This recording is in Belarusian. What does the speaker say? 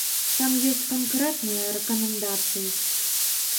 Там ёсць канкрэтныя рэкамендацыі.